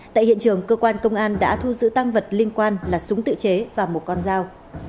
tại hiện trường cơ quan công an đã thu giữ tăng vật liên quan là súng tự chế và một con dao